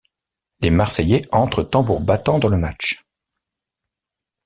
Les Marseillais entrent tambour battant dans le match.